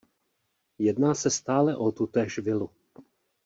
Jedná se stále o tutéž vilu.